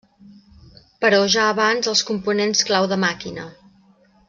Però ja abans els components clau de Màquina!